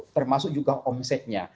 termasuk juga omsetnya